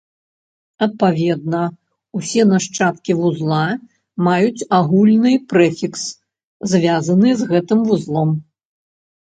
Адпаведна, усе нашчадкі вузла маюць агульны прэфікс, звязаны з гэтым вузлом.